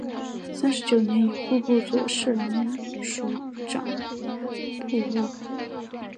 三十九年以户部左侍郎署掌部务。